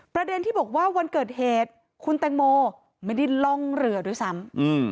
ประเด็นที่บอกว่าวันเกิดเหตุคุณแตงโมไม่ได้ล่องเรือด้วยซ้ำ